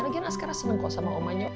lagian askara seneng kok sama omanya